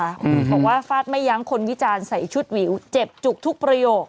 บอกว่าฟาดไม่ยั้งคนวิจารณ์ใส่ชุดวิวเจ็บจุกทุกประโยค